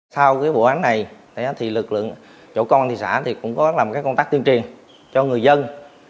sau cái bộ án này thì lực lượng chỗ công an thị xã thì cũng có làm cái công tác tiên triền cho người dân